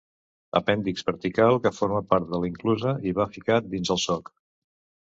Apèndix vertical que forma part de l'enclusa i va ficat dins el soc.